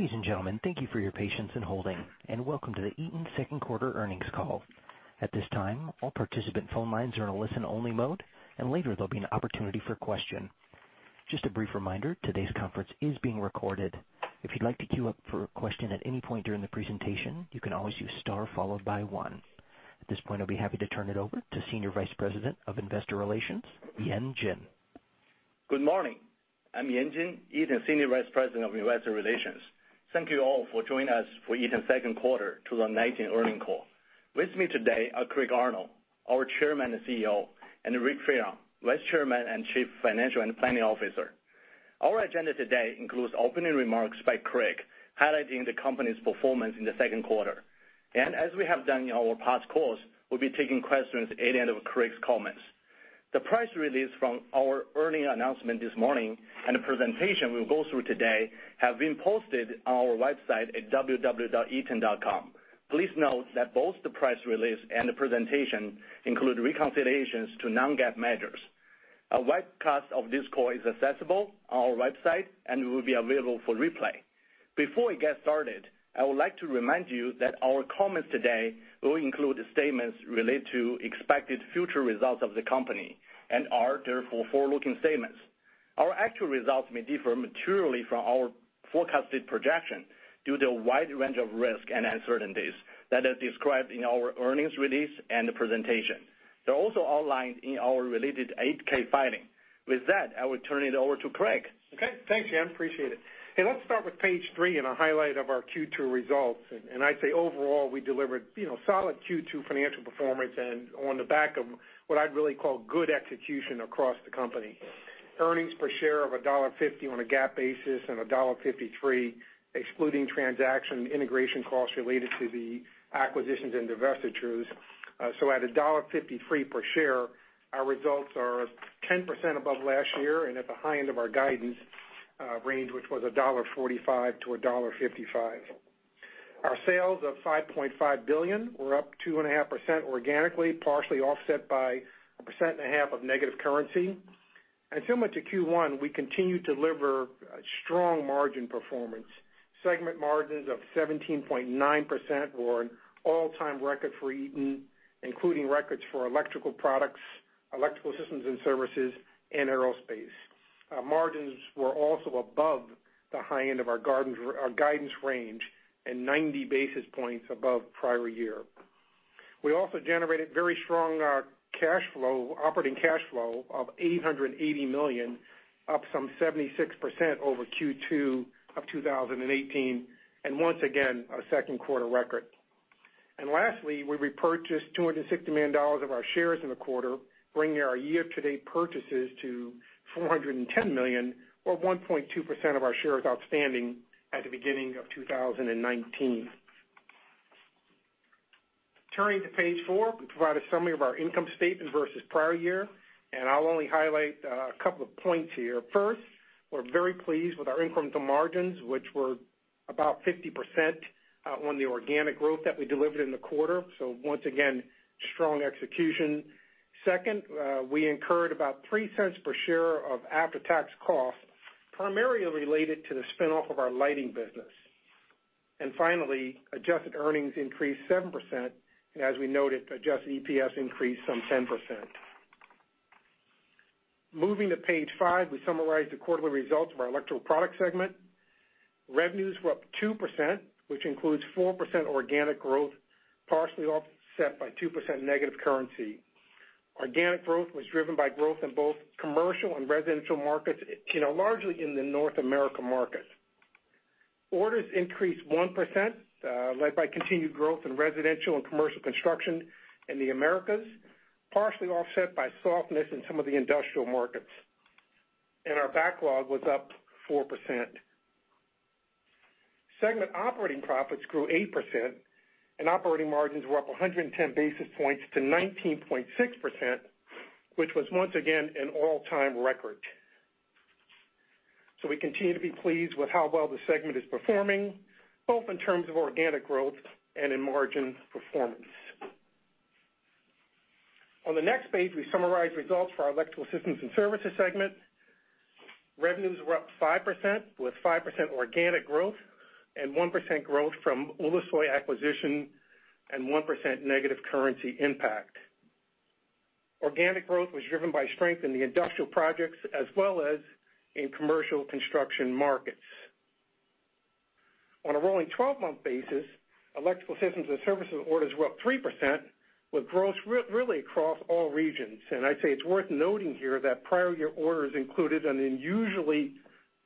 Ladies and gentlemen, thank you for your patience in holding, and welcome to the Eaton second quarter earnings call. At this time, all participant phone lines are in a listen-only mode, and later there'll be an opportunity for a question. Just a brief reminder, today's conference is being recorded. If you'd like to queue up for a question at any point during the presentation, you can always use star followed by one. At this point, I'll be happy to turn it over to Senior Vice President of Investor Relations, Yan Jin. Good morning. I'm Yan Jin, Eaton Senior Vice President of Investor Relations. Thank you all for joining us for Eaton second quarter 2019 earnings call. With me today are Craig Arnold, our Chairman and CEO, and Rick Fearon, Vice Chairman and Chief Financial and Planning Officer. Our agenda today includes opening remarks by Craig, highLighting the company's performance in the second quarter. As we have done in our past calls, we'll be taking questions at the end of Craig's comments. The press release from our earnings announcement this morning and the presentation we will go through today have been posted on our website at www.eaton.com. Please note that both the press release and the presentation include reconciliations to non-GAAP measures. A webcast of this call is accessible on our website and will be available for replay. Before we get started, I would like to remind you that our comments today will include statements related to expected future results of the company and are therefore forward-looking statements. Our actual results may differ materially from our forecasted projection due to a wide range of risk and uncertainties that are described in our earnings release and the presentation. They're also outlined in our related 8-K filing. With that, I will turn it over to Craig. Okay. Thanks, Yan. Appreciate it. Hey, let's start with page three and a highlight of our Q2 results. I say overall, we delivered solid Q2 financial performance and on the back of what I'd really call good execution across the company. Earnings per share of $1.50 on a GAAP basis and $1.53 excluding transaction integration costs related to the acquisitions and divestitures. At $1.53 per share, our results are 10% above last year and at the high end of our guidance range, which was $1.45-$1.55. Our sales of $5.5 billion were up 2.5% organically, partially offset by 1.5% of negative currency. Similar to Q1, we continued to deliver a strong margin performance. Segment margins of 17.9% were an all-time record for Eaton, including records for Electrical Products, Electrical Systems & Services, and Aerospace. Margins were also above the high end of our guidance range and 90 basis points above prior year. We also generated very strong operating cash flow of $880 million, up some 76% over Q2 of 2018, and once again, a second quarter record. Lastly, we repurchased $260 million of our shares in the quarter, bringing our year-to-date purchases to $410 million or 1.2% of our shares outstanding at the beginning of 2019. Turning to page four, we provide a summary of our income statement versus prior year. I'll only highlight a couple of points here. First, we're very pleased with our incremental margins, which were about 50% on the organic growth that we delivered in the quarter. Once again, strong execution. Second, we incurred about $0.03 per share of after-tax cost, primarily related to the spin-off of our Lighting business. Finally, adjusted earnings increased 7%, and as we noted, adjusted EPS increased some 10%. Moving to page five, we summarize the quarterly results of our Electrical Products segment. Revenues were up 2%, which includes 4% organic growth, partially offset by 2% negative currency. Organic growth was driven by growth in both commercial and residential markets, largely in the North America market. Orders increased 1%, led by continued growth in residential and commercial construction in the Americas, partially offset by softness in some of the industrial markets. Our backlog was up 4%. Segment operating profits grew 8%, operating margins were up 110 basis points to 19.6%, which was once again an all-time record. We continue to be pleased with how well the segment is performing, both in terms of organic growth and in margin performance. On the next page, we summarize results for our Electrical Systems & Services segment. Revenues were up 5%, with 5% organic growth and 1% growth from Ulusoy acquisition and 1% negative currency impact. Organic growth was driven by strength in the industrial projects as well as in commercial construction markets. On a rolling 12-month basis, Electrical Systems & Services orders were up 3%, with growth really across all regions. I'd say it's worth noting here that prior year orders included an unusually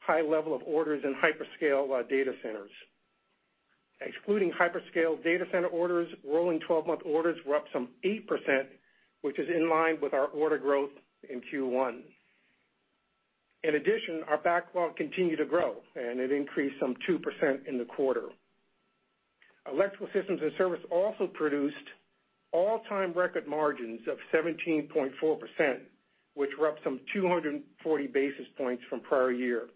high level of orders in hyperscale data centers. Excluding hyperscale data center orders, rolling 12-month orders were up some 8%, which is in line with our order growth in Q1. In addition, our backlog continued to grow, and it increased some 2% in the quarter. Electrical Systems & Services also produced all-time record margins of 17.4%, which were up some 240 basis points from prior year.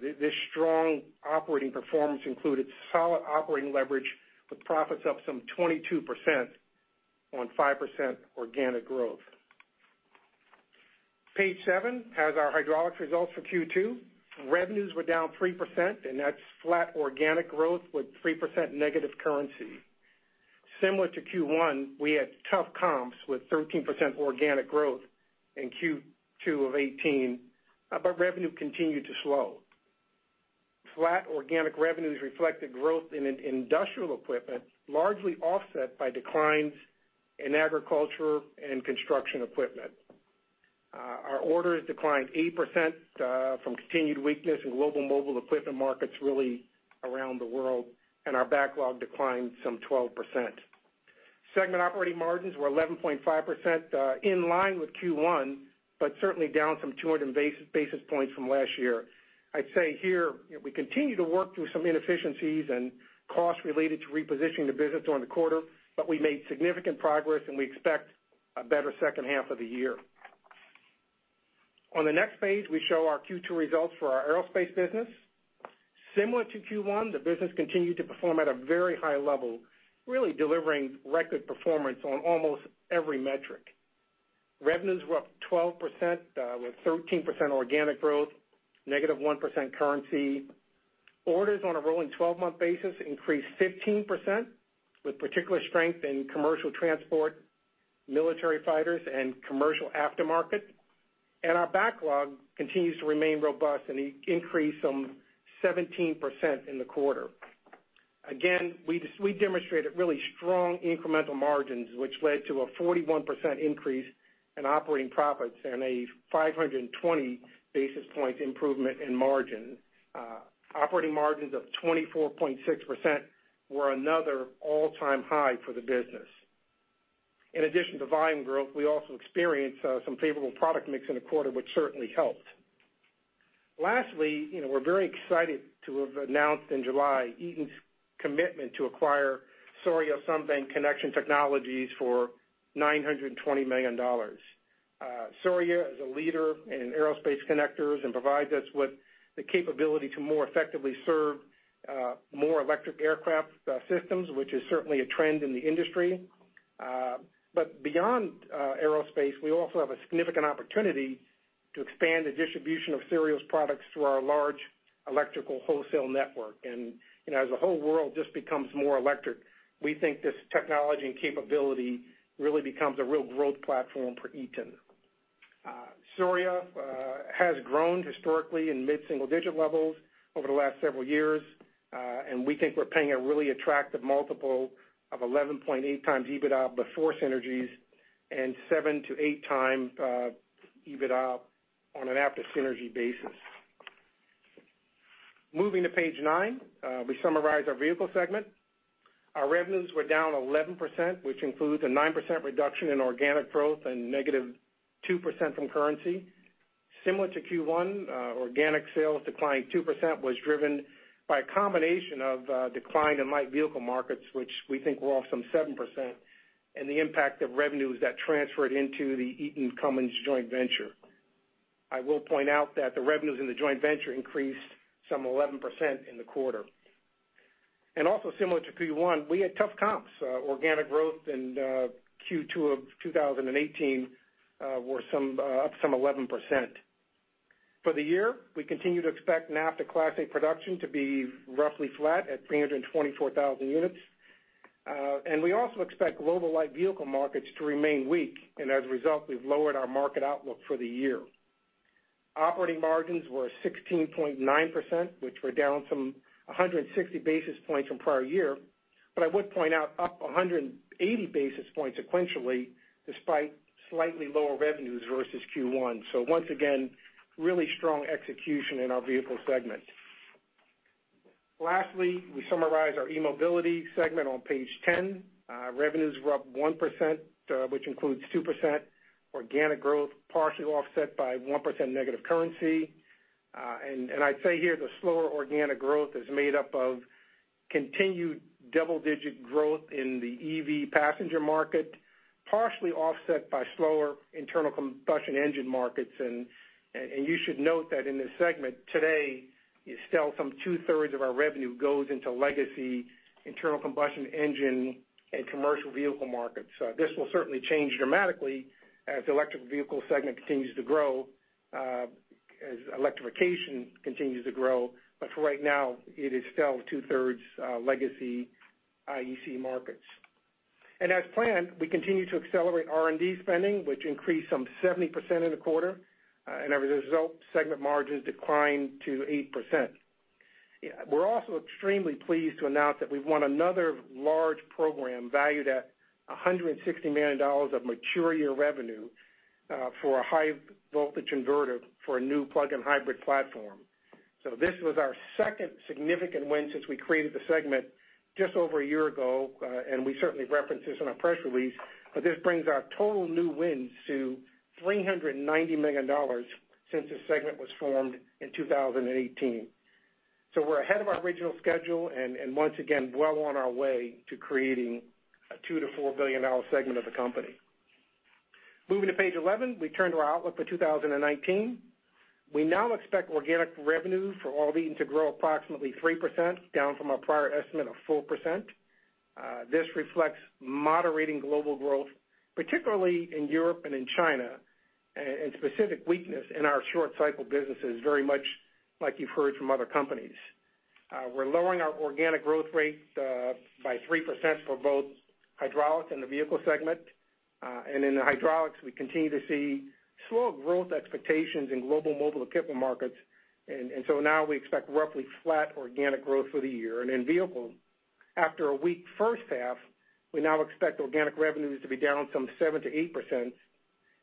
This strong operating performance included solid operating leverage, with profits up some 22% on 5% organic growth. Page seven has our Hydraulics results for Q2. Revenues were down 3%. That's flat organic growth with 3% negative currency. Similar to Q1, we had tough comps with 13% organic growth in Q2 of 2018. Revenue continued to slow. Flat organic revenues reflect the growth in industrial equipment, largely offset by declines in agriculture and construction equipment. Our orders declined 8% from continued weakness in global mobile equipment markets really around the world. Our backlog declined some 12%. Segment operating margins were 11.5%, in line with Q1, certainly down some 200 basis points from last year. I'd say here, we continue to work through some inefficiencies and costs related to repositioning the business during the quarter, we made significant progress, we expect a better second half of the year. On the next page, we show our Q2 results for our Aerospace business. Similar to Q1, the business continued to perform at a very high level, really delivering record performance on almost every metric. Revenues were up 12% with 13% organic growth, -1% currency. Orders on a rolling 12-month basis increased 15%, with particular strength in commercial transport, military fighters, and commercial aftermarket. Our backlog continues to remain robust and increased some 17% in the quarter. Again, we demonstrated really strong incremental margins, which led to a 41% increase in operating profits and a 520 basis points improvement in margin. Operating margins of 24.6% were another all-time high for the business. In addition to volume growth, we also experienced some favorable product mix in the quarter, which certainly helped. Lastly, we're very excited to have announced in July Eaton's commitment to acquire Souriau-Sunbank Connection Technologies for $920 million. Souriau is a leader in Aerospace connectors and provides us with the capability to more effectively serve more electric aircraft systems, which is certainly a trend in the industry. Beyond Aerospace, we also have a significant opportunity to expand the distribution of Souriau's products through our large electrical wholesale network. As the whole world just becomes more electric, we think this technology and capability really becomes a real growth platform for Eaton. Souriau has grown historically in mid-single-digit levels over the last several years, and we think we're paying a really attractive multiple of 11.8x EBITDA before synergies and 7x to 8x EBITDA on an after-synergy basis. Moving to page nine, we summarize our Vehicle segment. Our revenues were down 11%, which includes a 9% reduction in organic growth and -2% from currency. Similar to Q1, organic sales decline 2% was driven by a combination of a decline in light vehicle markets, which we think were off some 7%, and the impact of revenues that transferred into the Eaton Cummins joint venture. I will point out that the revenues in the joint venture increased some 11% in the quarter. Also similar to Q1, we had tough comps. Organic growth in Q2 of 2018 were up some 11%. For the year, we continue to expect NAFTA Class 8 production to be roughly flat at 324,000 units. We also expect global light vehicle markets to remain weak. As a result, we've lowered our market outlook for the year. Operating margins were 16.9%, which were down some 160 basis points from prior year. I would point out up 180 basis points sequentially, despite slightly lower revenues versus Q1. Once again, really strong execution in our Vehicle segment. Lastly, we summarize our eMobility segment on page 10. Revenues were up 1%, which includes 2% organic growth, partially offset by -1% currency. I'd say here, the slower organic growth is made up of continued double-digit growth in the EV passenger market, partially offset by slower internal combustion engine markets. You should note that in this segment, today, still some two-thirds of our revenue goes into legacy internal combustion engine and commercial vehicle markets. This will certainly change dramatically as the electric vehicle segment continues to grow, as electrification continues to grow. For right now, it is still two-thirds legacy IEC markets. As planned, we continue to accelerate R&D spending, which increased some 70% in the quarter. As a result, segment margins declined to 8%. We're also extremely pleased to announce that we've won another large program valued at $160 million of mature year revenue for a high-voltage inverter for a new plug-in hybrid platform. This was our second significant win since we created the segment just over a year ago, and we certainly reference this in our press release. This brings our total new wins to $390 million since this segment was formed in 2018. We're ahead of our original schedule, and once again, well on our way to creating a $2 billion-$4 billion segment of the company. Moving to page 11, we turn to our outlook for 2019. We now expect organic revenue for all of Eaton to grow approximately 3%, down from our prior estimate of 4%. This reflects moderating global growth, particularly in Europe and in China, and specific weakness in our short cycle businesses, very much like you've heard from other companies. We're lowering our organic growth rate by 3% for both Hydraulics and the Vehicle segment. In Hydraulics, we continue to see slower growth expectations in global mobile equipment markets, now we expect roughly flat organic growth for the year. In Vehicle, after a weak first half, we now expect organic revenues to be down some 7%-8%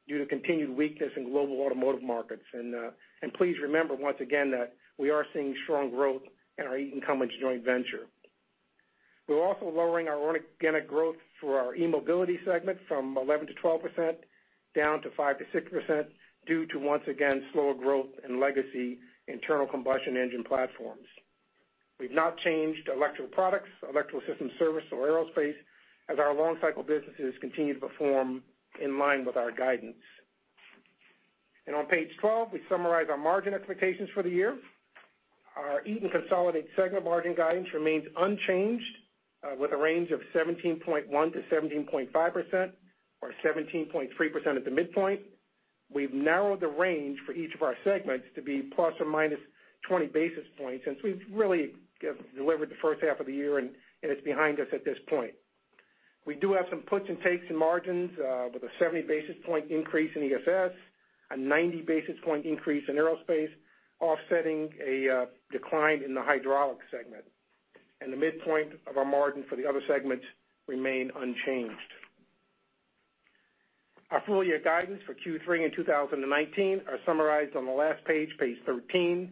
due to continued weakness in global automotive markets. Please remember, once again, that we are seeing strong growth in our Eaton Cummins joint venture. We're also lowering our organic growth for our eMobility segment from 11% to 12%, down to 5% to 6%, due to, once again, slower growth in legacy internal combustion engine platforms. We've not changed Electrical Products, Electrical Systems Service, or Aerospace, as our long cycle businesses continue to perform in line with our guidance. On page 12, we summarize our margin expectations for the year. Our Eaton consolidated segment margin guidance remains unchanged, with a range of 17.1%-17.5%, or 17.3% at the midpoint. We've narrowed the range for each of our segments to be ±20 basis points, since we've really delivered the first half of the year, and it's behind us at this point. We do have some puts and takes in margins, with a 70 basis point increase in ESS, a 90 basis point increase in Aerospace, offsetting a decline in the Hydraulics segment. The midpoint of our margin for the other segments remain unchanged. Our full-year guidance for Q3 in 2019 are summarized on the last page 13.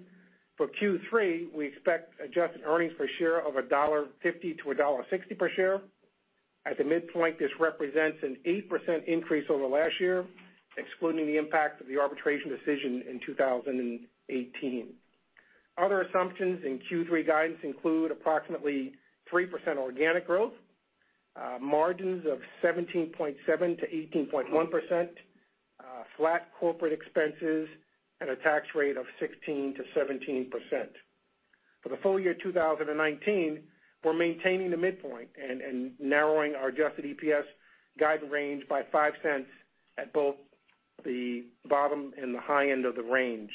For Q3, we expect adjusted earnings per share of $1.50-$1.60 per share. At the midpoint, this represents an 8% increase over last year, excluding the impact of the arbitration decision in 2018. Other assumptions in Q3 guidance include approximately 3% organic growth, margins of 17.7% to 18.1%, flat corporate expenses, and a tax rate of 16%-17%. For the full year 2019, we're maintaining the midpoint and narrowing our adjusted EPS guide range by $0.05 at both the bottom and the high end of the range.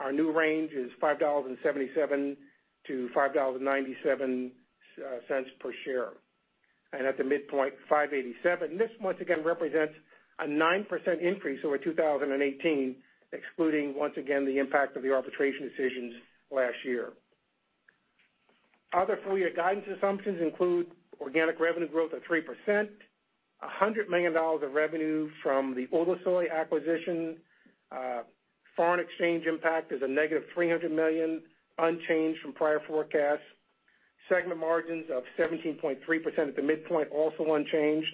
Our new range is $5.77-$5.97 per share, and at the midpoint, $5.87. This, once again, represents a 9% increase over 2018, excluding, once again, the impact of the arbitration decisions last year. Other full-year guidance assumptions include organic revenue growth of 3%, $100 million of revenue from the Ulusoy acquisition. Foreign exchange impact is a $ -300 million, unchanged from prior forecasts. Segment margins of 17.3% at the midpoint, also unchanged.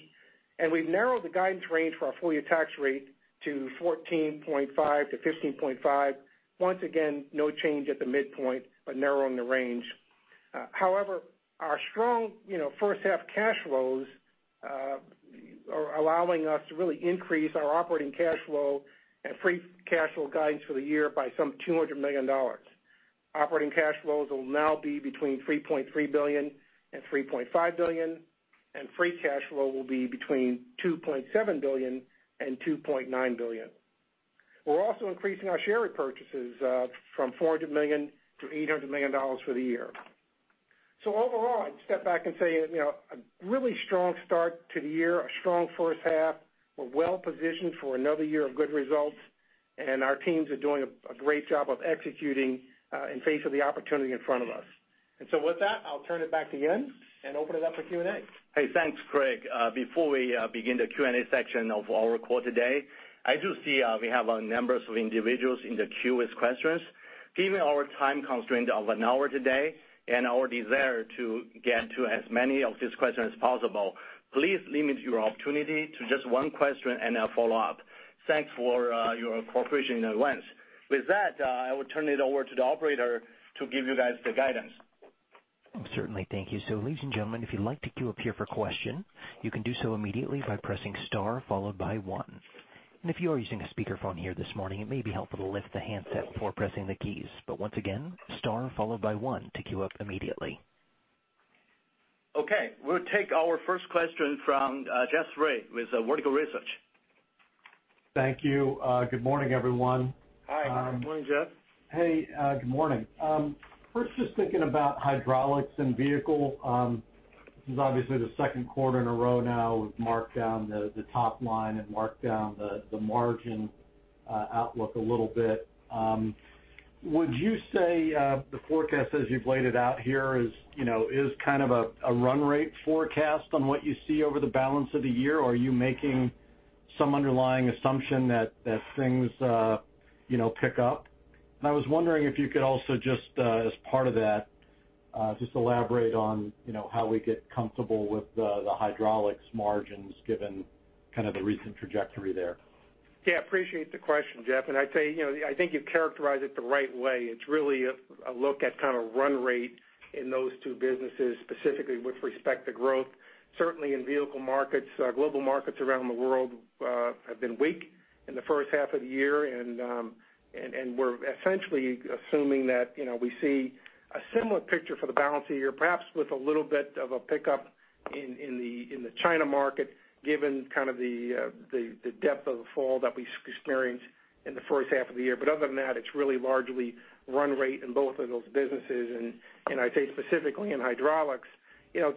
We've narrowed the guidance range for our full-year tax rate to 14.5%-15.5%. Once again, no change at the midpoint, but narrowing the range. Our strong first half cash flows are allowing us to really increase our operating cash flow and free cash flow guidance for the year by some $200 million. Operating cash flows will now be between $3.3 billion and $3.5 billion, and free cash flow will be between $2.7 billion and $2.9 billion. We're also increasing our share repurchases from $400 million to $800 million for the year. Overall, I'd step back and say a really strong start to the year, a strong first half. We're well-positioned for another year of good results, our teams are doing a great job of executing in face of the opportunity in front of us. With that, I'll turn it back to Yan and open it up for Q&A. Hey, thanks, Craig. Before we begin the Q&A section of our call today, I do see we have a number of individuals in the queue with questions. Given our time constraint of an hour today and our desire to get to as many of these questions as possible, please limit your opportunity to just one question and one follow-up. Thanks for your cooperation in advance. With that, I will turn it over to the operator to give you guys the guidance. Certainly. Thank you. Ladies and gentlemen, if you'd like to queue up here for a question, you can do so immediately by pressing star followed by one. If you are using a speakerphone here this morning, it may be helpful to lift the handset before pressing the keys. Once again, star followed by one to queue up immediately. Okay. We'll take our first question from Jeff Sprague with Vertical Research Partners. Thank you. Good morning, everyone. Hi. Good morning, Jeff. Hey, good morning. First, just thinking about Hydraulics and Vehicle. This is obviously the second quarter in a row now we've marked down the top line and marked down the margin outlook a little bit. Would you say the forecast as you've laid it out here is kind of a run rate forecast on what you see over the balance of the year? Or are you making some underlying assumption that things pick up? I was wondering if you could also just, as part of that, just elaborate on how we get comfortable with the Hydraulics margins, given kind of the recent trajectory there. Yeah, appreciate the question, Jeff. I'd say, I think you've characterized it the right way. It's really a look at kind of run rate in those two businesses, specifically with respect to growth. Certainly in vehicle markets, global markets around the world. Have been weak in the first half of the year, and we're essentially assuming that we see a similar picture for the balance of the year, perhaps with a little bit of a pickup in the China market, given kind of the depth of the fall that we experienced in the first half of the year. Other than that, it's really largely run rate in both of those businesses, and I'd say specifically in Hydraulics.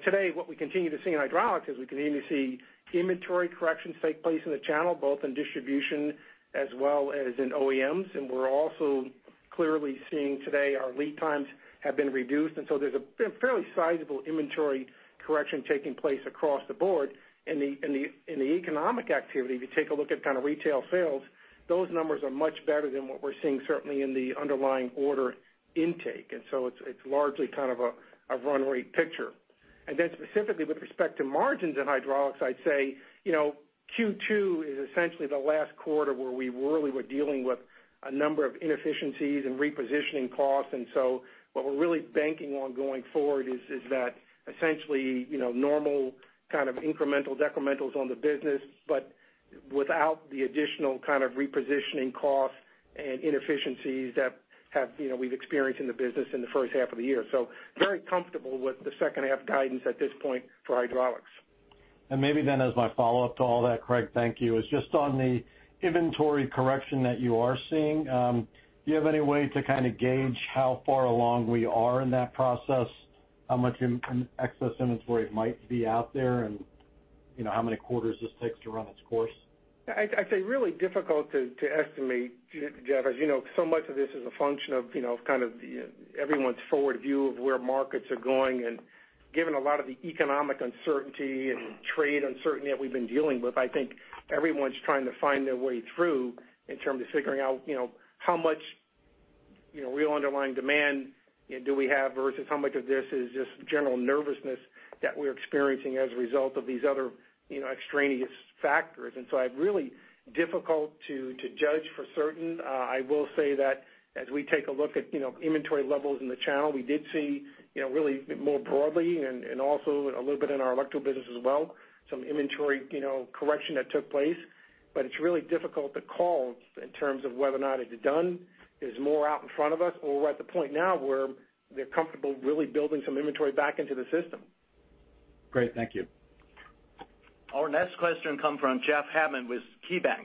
Today, what we continue to see in Hydraulics is we continue to see inventory corrections take place in the channel, both in distribution as well as in OEMs. We're also clearly seeing today our lead times have been reduced, and so there's a fairly sizable inventory correction taking place across the board. In the economic activity, if you take a look at kind of retail sales, those numbers are much better than what we're seeing certainly in the underlying order intake. It's largely kind of a run rate picture. Specifically with respect to margins in Hydraulics, I'd say, Q2 is essentially the last quarter where we really were dealing with a number of inefficiencies and repositioning costs. What we're really banking on going forward is that essentially, normal kind of incremental detrimentals on the business, but without the additional kind of repositioning costs and inefficiencies that we've experienced in the business in the first half of the year. Very comfortable with the second half guidance at this point for Hydraulics. Maybe as my follow-up to all that, Craig, thank you, is just on the inventory correction that you are seeing. Do you have any way to kind of gauge how far along we are in that process? And how much excess inventory might be out there, and how many quarters this takes to run its course? I'd say really difficult to estimate, Jeff, as you know, so much of this is a function of kind of everyone's forward view of where markets are going. Given a lot of the economic uncertainty and trade uncertainty that we've been dealing with, I think everyone's trying to find their way through in terms of figuring out how much real underlying demand do we have versus how much of this is just general nervousness that we're experiencing as a result of these other extraneous factors. Really difficult to judge for certain. I will say that as we take a look at inventory levels in the channel, we did see really more broadly and also a little bit in our Electrical business as well, some inventory correction that took place. It's really difficult to call in terms of whether or not is it done, is more out in front of us, or we're at the point now where they're comfortable really building some inventory back into the system. Great. Thank you. Our next question comes from Jeff Hammond with KeyBanc.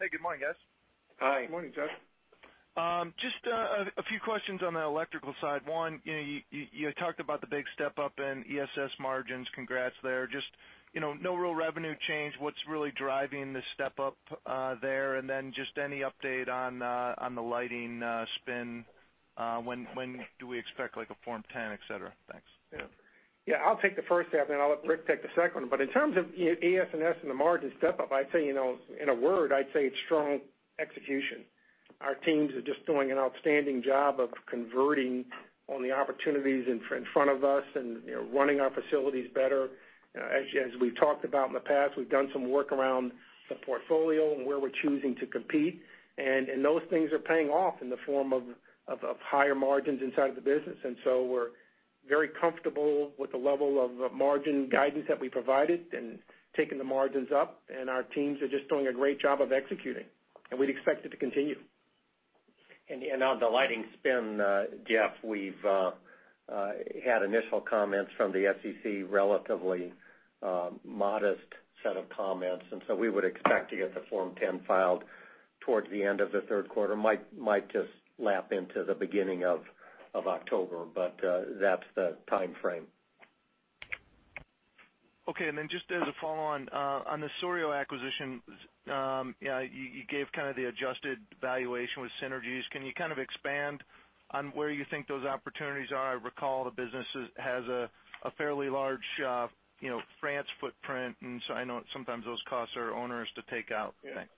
Hey, good morning, guys. Hi. Good morning, Jeff. Just a few questions on the Electrical side. One, you talked about the big step-up in ESS margins. Congrats there. Just no real revenue change. What's really driving the step-up there? Just any update on the Lighting spin, when do we expect like a Form 10, et cetera? Thanks. Yeah, I'll take the first half, and then I'll let Rick take the second one. In terms of ESS and the margin step-up, I'd say, in a word, I'd say it's strong execution. Our teams are just doing an outstanding job of converting on the opportunities in front of us and running our facilities better. As we've talked about in the past, we've done some work around the portfolio and where we're choosing to compete, and those things are paying off in the form of higher margins inside the business. So we're very comfortable with the level of margin guidance that we provided and taking the margins up, and our teams are just doing a great job of executing, and we'd expect it to continue. On the Lighting spin, Jeff, we've had initial comments from the SEC, relatively modest set of comments, and so we would expect to get the Form 10 filed towards the end of the third quarter. Might just lap into the beginning of October, but that's the timeframe. Okay, just as a follow-on. On the Souriau acquisition, you gave kind of the adjusted valuation with synergies. Can you kind of expand on where you think those opportunities are? I recall the business has a fairly large France footprint, I know sometimes those costs are onerous to take out. Thanks.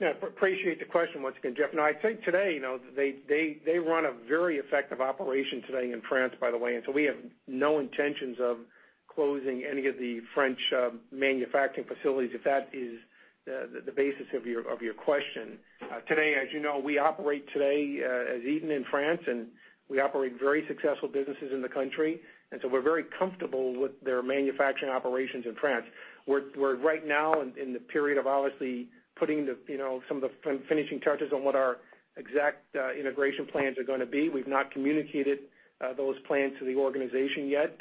Yeah, appreciate the question once again, Jeff. No, I think today, they run a very effective operation today in France, by the way, and so we have no intentions of closing any of the French manufacturing facilities, if that is the basis of your question. Today, as you know, we operate today as Eaton in France, and we operate very successful businesses in the country, and so we're very comfortable with their manufacturing operations in France. We're right now in the period of obviously putting some of the finishing touches on what our exact integration plans are going to be. We've not communicated those plans to the organization yet.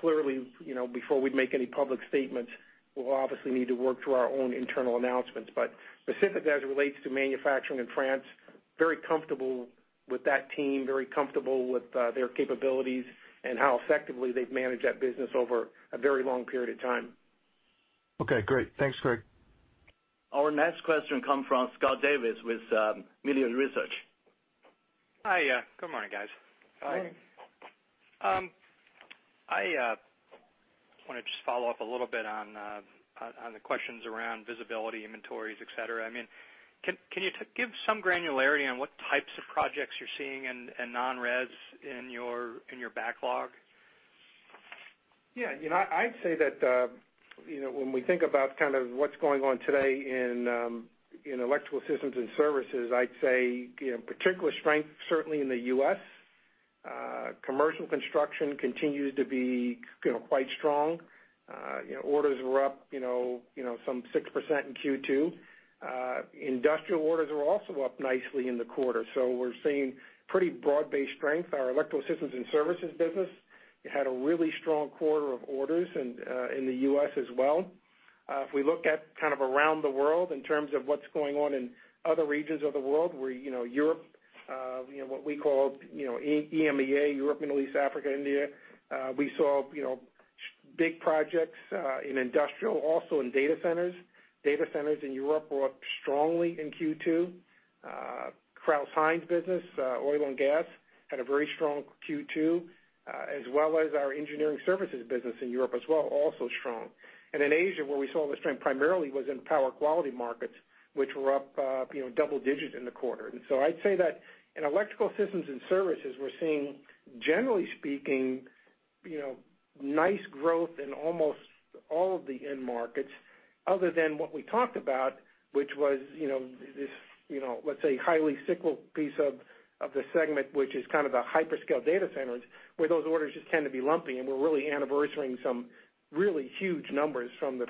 Clearly, before we make any public statements, we'll obviously need to work through our own internal announcements. Specifically as it relates to manufacturing in France, very comfortable with that team, very comfortable with their capabilities and how effectively they've managed that business over a very long period of time. Okay, great. Thanks, Craig. Our next question comes from Scott Davis with Melius Research. Hi. Good morning, guys. Hi. Morning. I want to just follow up a little bit on the questions around visibility, inventories, et cetera. Can you give some granularity on what types of projects you're seeing in non-res in your backlog? Yeah. I'd say that when we think about kind of what's going on today in Electrical Systems & Services, I'd say particular strength certainly in the U.S. commercial construction continues to be quite strong. Orders were up some 6% in Q2. Industrial orders were also up nicely in the quarter. We're seeing pretty broad-based strength. Our Electrical Systems & Services business had a really strong quarter of orders in the U.S. as well. If we look at kind of around the world in terms of what's going on in other regions of the world, Europe, what we call EMEA, Europe, Middle East, Africa, India, we saw big projects in industrial, also in data centers. Data centers in Europe were up strongly in Q2. Crouse-Hinds business, oil and gas, had a very strong Q2, as well as our engineering services business in Europe as well, also strong. In Asia, where we saw the strength primarily was in power quality markets, which were up double-digit in the quarter. I'd say that in Electrical Systems & Services, we're seeing, generally speaking, nice growth in almost all of the end markets other than what we talked about, which was this, let's say, highly cyclical piece of the segment, which is kind of the hyperscale data centers, where those orders just tend to be lumpy, and we're really anniversarying some really huge numbers from the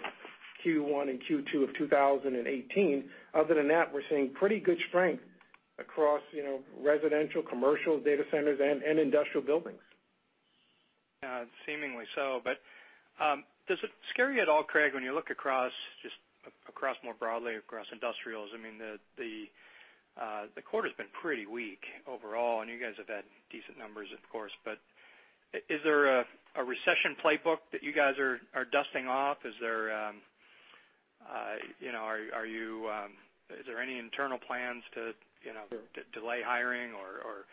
Q1 and Q2 of 2018. Other than that, we're seeing pretty good strength across residential, commercial, data centers, and industrial buildings. Yeah. Seemingly so. Does it scare you at all, Craig, when you look just across more broadly across industrials? I mean, the quarter's been pretty weak overall, and you guys have had decent numbers, of course. Is there a recession playbook that you guys are dusting off? Is there any internal plans to delay hiring or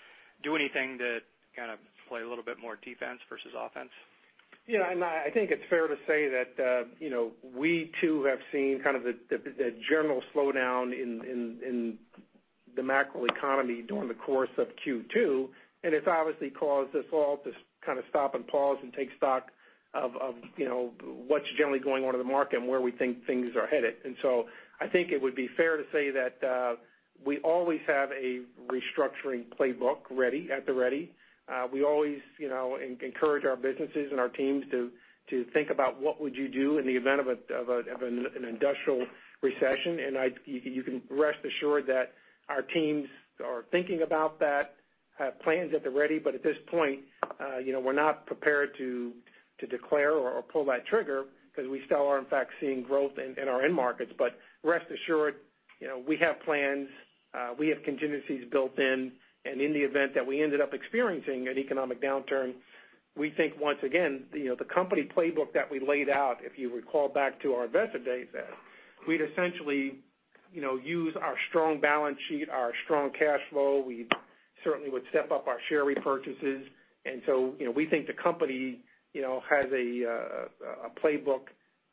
do anything to kind of play a little bit more defense versus offense? Yeah, I think it's fair to say that we too have seen kind of the general slowdown in the macro economy during the course of Q2, and it's obviously caused us all to kind of stop and pause and take stock of what's generally going on in the market and where we think things are headed. I think it would be fair to say that we always have a restructuring playbook at the ready. We always encourage our businesses and our teams to think about what would you do in the event of an industrial recession. You can rest assured that our teams are thinking about that, have plans at the ready. At this point we're not prepared to declare or pull that trigger because we still are in fact seeing growth in our end markets. Rest assured, we have plans. We have contingencies built in. In the event that we ended up experiencing an economic downturn, we think, once again, the company playbook that we laid out, if you recall back to our Investor Day event, we'd essentially use our strong balance sheet, our strong cash flow. We certainly would step up our share repurchases. We think the company has a playbook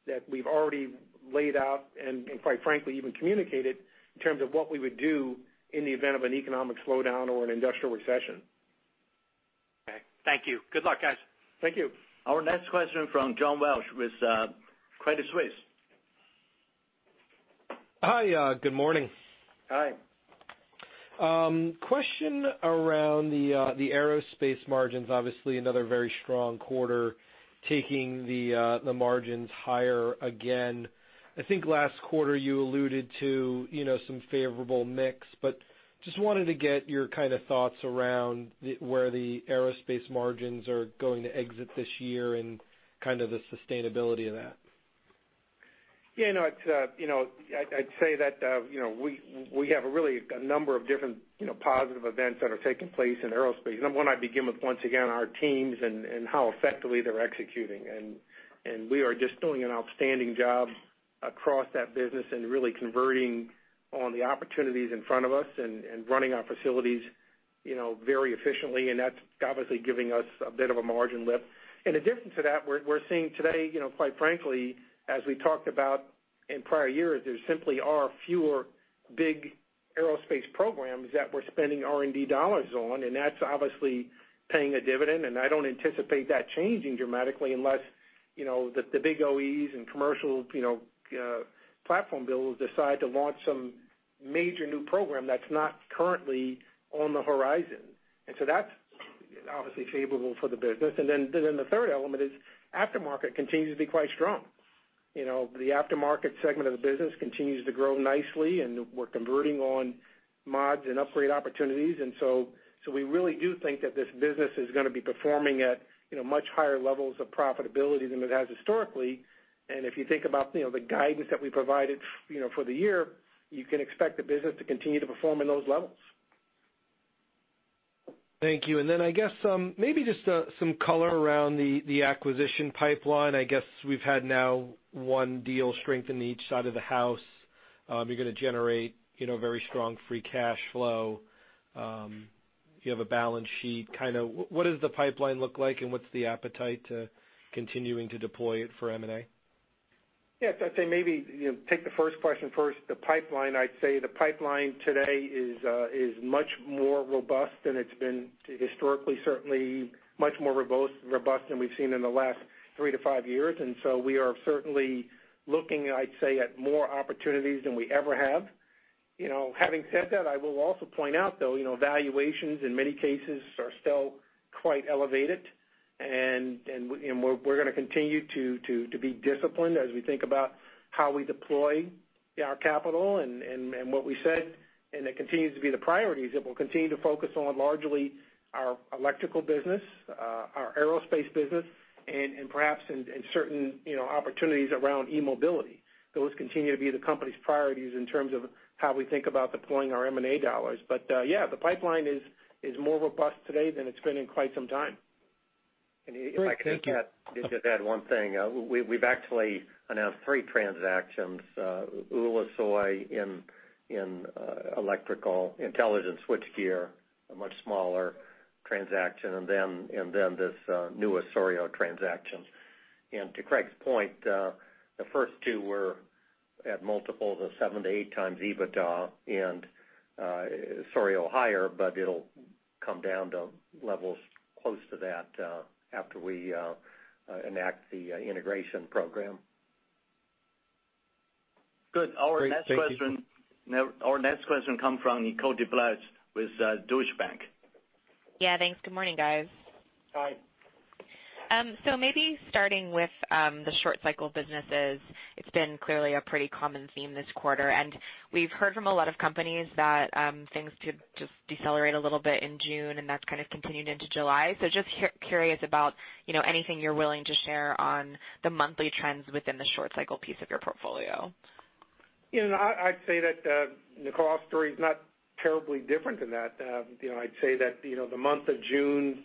that we've already laid out and quite frankly, even communicated in terms of what we would do in the event of an economic slowdown or an industrial recession. Okay. Thank you. Good luck, guys. Thank you. Our next question from John Walsh with Credit Suisse. Hi. Good morning. Hi. Question around the Aerospace margins. Obviously another very strong quarter, taking the margins higher again. I think last quarter you alluded to some favorable mix, but just wanted to get your kind of thoughts around where the Aerospace margins are going to exit this year and kind of the sustainability of that. Yeah. I'd say that we have a really, a number of different positive events that are taking place in Aerospace. Number one, I'd begin with, once again, our teams and how effectively they're executing. We are just doing an outstanding job across that business and really converting on the opportunities in front of us and running our facilities very efficiently, and that's obviously giving us a bit of a margin lift. In addition to that, we're seeing today, quite frankly, as we talked about in prior years, there simply are fewer big Aerospace programs that we're spending R&D dollars on, and that's obviously paying a dividend, and I don't anticipate that changing dramatically unless the big OEs and commercial platform builders decide to launch some major new program that's not currently on the horizon. That's obviously favorable for the business. The third element is aftermarket continues to be quite strong. The aftermarket segment of the business continues to grow nicely, and we're converting on mods and upgrade opportunities. We really do think that this business is going to be performing at much higher levels of profitability than it has historically. If you think about the guidance that we provided for the year, you can expect the business to continue to perform in those levels. Thank you. I guess maybe just some color around the acquisition pipeline. I guess we've had now one deal strengthen each side of the house. You're going to generate very strong free cash flow. You have a balance sheet. What does the pipeline look like, and what's the appetite to continuing to deploy it for M&A? I'd say maybe take the first question first. The pipeline, I'd say the pipeline today is much more robust than it's been historically, certainly much more robust than we've seen in the last three to five years. We are certainly looking, I'd say, at more opportunities than we ever have. Having said that, I will also point out though, valuations in many cases are still quite elevated, and we're going to continue to be disciplined as we think about how we deploy our capital and what we said, and it continues to be the priorities that we'll continue to focus on largely our Electrical business, our Aerospace business, and perhaps in certain opportunities around eMobility. Those continue to be the company's priorities in terms of how we think about deploying our M&A dollars. The pipeline is more robust today than it's been in quite some time. Great. Thank you. If I could just add one thing. We've actually announced three transactions, Ulusoy in Electrical, Innovative Switchgear, a much smaller transaction, and then this newest Souriau transaction. To Craig's point, the first two were at multiples of 7x to 8x EBITDA, and Souriau higher, but it'll come down to levels close to that after we enact the integration program. Good. Our next question comes from Nicole DeBlase with Deutsche Bank. Yeah, thanks. Good morning, guys. Hi. Maybe starting with the short cycle businesses, it's been clearly a pretty common theme this quarter. We've heard from a lot of companies that things could just decelerate a little bit in June, and that's kind of continued into July. Just curious about anything you're willing to share on the monthly trends within the short cycle piece of your portfolio. I'd say that Nicole, our story is not terribly different than that. I'd say that the month of June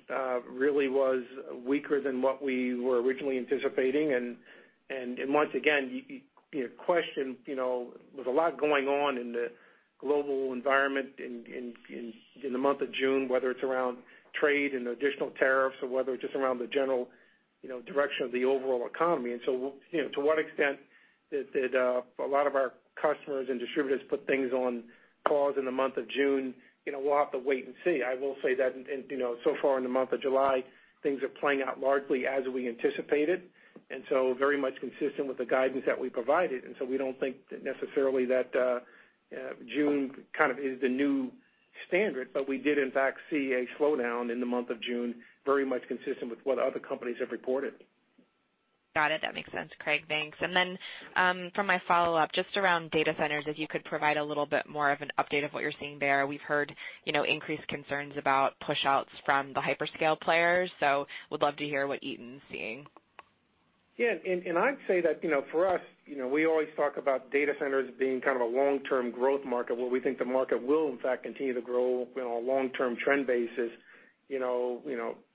really was weaker than what we were originally anticipating. Once again, there was a lot going on in the global environment in the month of June, whether it's around trade and additional tariffs or whether it's just around the general direction of the overall economy. So, to what extent did a lot of our customers and distributors put things on pause in the month of June? We'll have to wait and see. I will say that so far in the month of July, things are playing out largely as we anticipated, very much consistent with the guidance that we provided. We don't think that necessarily that June kind of is the new standard, but we did in fact see a slowdown in the month of June, very much consistent with what other companies have reported. Got it. That makes sense, Craig. Thanks. For my follow-up, just around data centers, if you could provide a little bit more of an update of what you're seeing there. We've heard increased concerns about pushouts from the hyperscale players. Would love to hear what Eaton's seeing. Yeah. I'd say that, for us, we always talk about data centers being kind of a long-term growth market, where we think the market will in fact continue to grow in a long-term trend basis,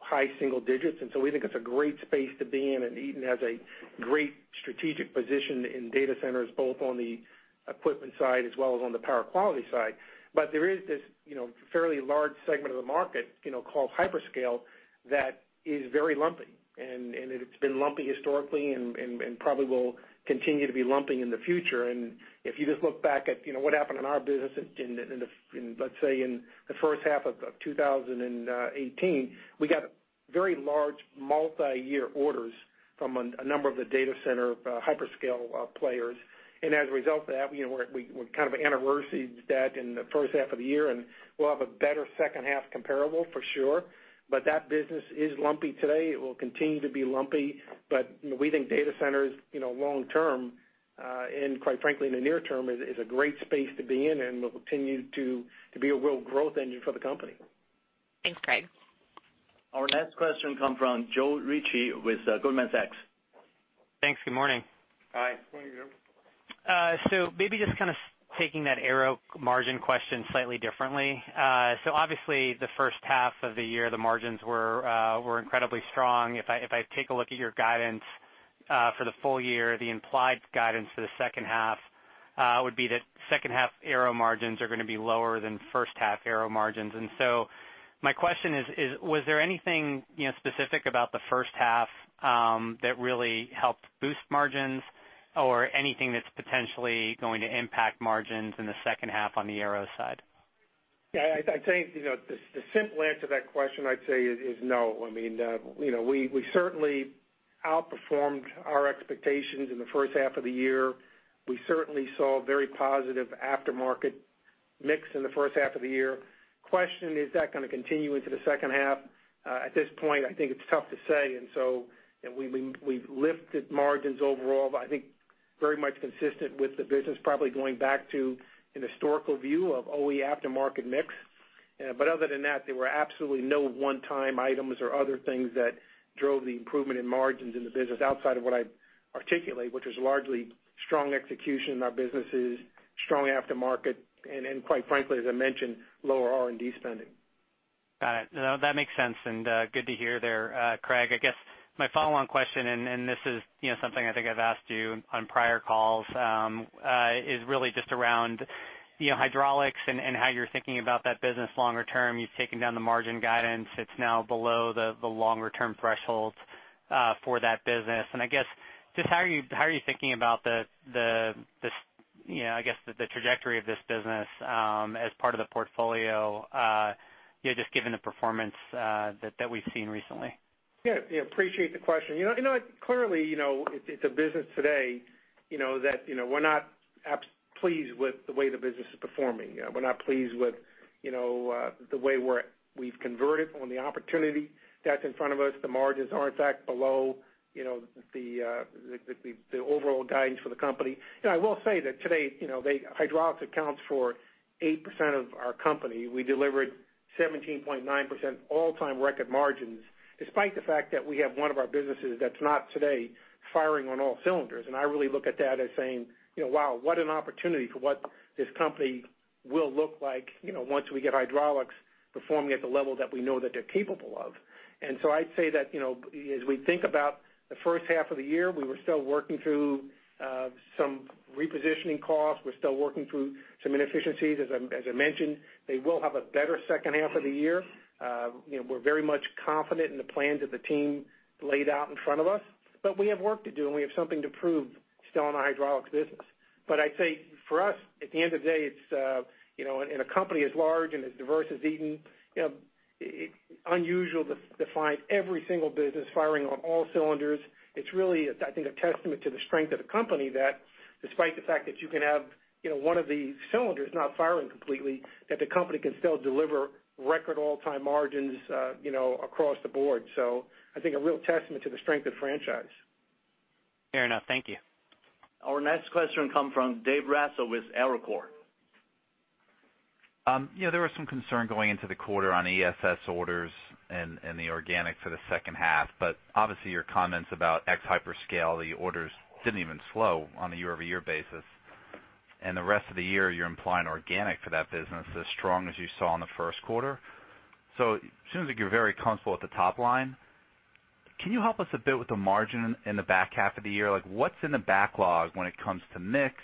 high single digits. We think it's a great space to be in, and Eaton has a great strategic position in data centers, both on the equipment side as well as on the power quality side. There is this fairly large segment of the market, called hyperscale, that is very lumpy. It's been lumpy historically and probably will continue to be lumpy in the future. If you just look back at what happened in our business in, let's say, in the first half of 2018, we got very large multi-year orders from a number of the data center hyperscale players. As a result of that, we kind of anniversaried that in the first half of the year, and we'll have a better second half comparable for sure. That business is lumpy today. It will continue to be lumpy. We think data centers, long term, and quite frankly in the near term, is a great space to be in and will continue to be a real growth engine for the company. Thanks, Craig. Our next question come from Joe Ritchie with Goldman Sachs. Thanks. Good morning. Hi. Good morning, Joe. Maybe just kind of taking that Aero margin question slightly differently. Obviously the first half of the year, the margins were incredibly strong. If I take a look at your guidance for the full year, the implied guidance for the second half would be that second half Aero margins are going to be lower than first half Aero margins. My question is: Was there anything specific about the first half that really helped boost margins or anything that's potentially going to impact margins in the second half on the Aero side? I think, the simple answer to that question, I'd say, is no. We certainly outperformed our expectations in the first half of the year. We certainly saw very positive aftermarket mix in the first half of the year. Question, is that going to continue into the second half? At this point, I think it's tough to say. We've lifted margins overall, but I think very much consistent with the business, probably going back to an historical view of OE aftermarket mix. Other than that, there were absolutely no one-time items or other things that drove the improvement in margins in the business outside of what I articulate, which is largely strong execution in our businesses, strong aftermarket, and quite frankly, as I mentioned, lower R&D spending. Got it. No, that makes sense, and good to hear there, Craig. I guess my follow-on question, and this is something I think I've asked you on prior calls, is really just around Hydraulics and how you're thinking about that business longer term. You've taken down the margin guidance. It's now below the longer-term thresholds for that business. I guess, just how are you thinking about the trajectory of this business as part of the portfolio. Just given the performance that we've seen recently. Yeah. Appreciate the question. Clearly, it's a business today that we're not pleased with the way the business is performing. We're not pleased with the way we've converted on the opportunity that's in front of us. The margins are, in fact, below the overall guidance for the company. I will say that today, Hydraulics accounts for 8% of our company. We delivered 17.9% all-time record margins, despite the fact that we have one of our businesses that's not today firing on all cylinders. I really look at that as saying, "Wow, what an opportunity for what this company will look like once we get Hydraulics performing at the level that we know that they're capable of." I'd say that as we think about the first half of the year, we were still working through some repositioning costs. We're still working through some inefficiencies, as I mentioned. They will have a better second half of the year. We're very much confident in the plans that the team laid out in front of us. We have work to do, and we have something to prove still on the Hydraulics business. I'd say for us, at the end of the day, in a company as large and as diverse as Eaton, unusual to find every single business firing on all cylinders. It's really, I think, a testament to the strength of the company that despite the fact that you can have one of the cylinders not firing completely, that the company can still deliver record all-time margins across the board. I think a real testament to the strength of the franchise. Fair enough. Thank you. Our next question come from Dave Raso with Evercore. There was some concern going into the quarter on ESS orders and the organic for the second half. Obviously, your comments about ex hyperscale, the orders didn't even slow on a year-over-year basis. The rest of the year, you're implying organic for that business as strong as you saw in the first quarter. It seems like you're very comfortable with the top line. Can you help us a bit with the margin in the back half of the year? What's in the backlog when it comes to mix?